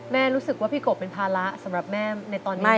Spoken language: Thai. รู้สึกว่าพี่กบเป็นภาระสำหรับแม่ในตอนนี้